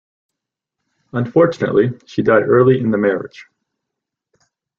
Unfortunately she died early in the marriage.